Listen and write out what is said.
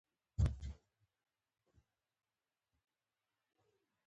نوی کار څنګه دی؟